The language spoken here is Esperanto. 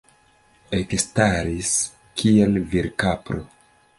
Ekstaris, kiel virkapro.